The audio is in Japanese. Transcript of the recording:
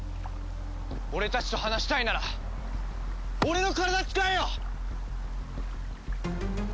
俺たちと話したいなら俺の体使えよ！